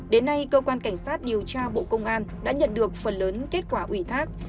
đến nay cơ quan cảnh sát điều tra bộ công an đã nhận được phần lớn kết quả ủy thác